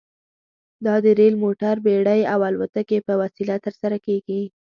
دا د ریل، موټر، بېړۍ او الوتکې په وسیله ترسره کیږي.